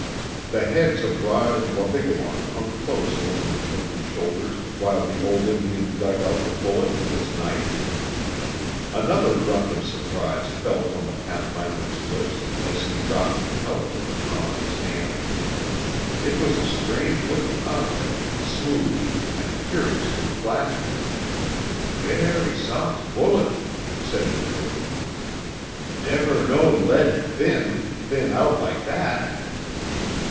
The heads of Rod and Wabigoon hung close over Mukoki's shoulders while the old Indian dug out the bullet with his knife. Another grunt of surprise fell from the pathfinder's lips as he dropped the pellet in the palm of his hand. It was a strange looking object, smooth, and curiously flattened. "Ver' soft bullet," said Mukoki. "Never know lead thin, thin out lak that!"